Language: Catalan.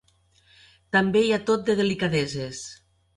També hi ha tot de delicadeses.